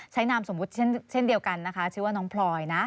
นามสมมุติเช่นเดียวกันนะคะชื่อว่าน้องพลอยนะ